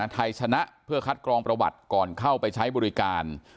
ไทยชนะเพื่อคัดกรองประวัติก่อนเข้าไปใช้บริการ